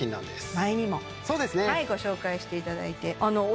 前にもご紹介していただいてそうですね